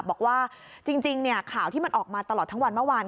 บอกว่าจริงข่าวที่มันออกมาตลอดทั้งวันเมื่อวาน